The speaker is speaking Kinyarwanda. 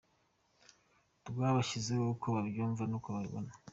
rw bakigezaho uko babyumva nuko babibona.